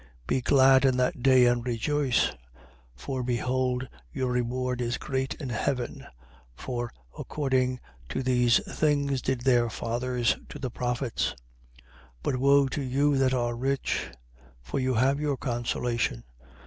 6:23. Be glad in that day and rejoice: for behold, your reward is great in heaven, For according to these things did their fathers to the prophets. 6:24. But woe to you that are rich: for you have your consolation.